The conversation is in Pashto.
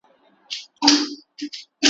دا د غم یو سلسله ده هم تیریږ ي